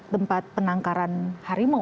tempat penangkaran harimau